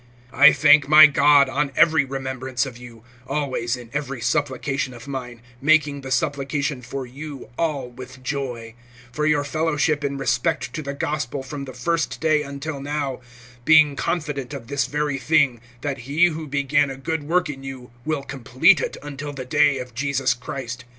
(3)I thank my God on every remembrance of you, (4)always, in every supplication of mine, making the supplication for you all with joy, (5)for your fellowship in respect to the gospel[1:5] from the first day until now; (6)being confident of this very thing, that he who began a good work in you will complete it until the day of Jesus Christ.